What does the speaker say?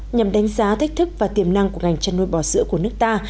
nhằm đánh giá thách thức và tiềm năng của ngành chăn nuôi bò sữa của nước ta